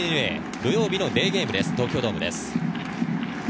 土曜日のデーゲーム、東京ドームです。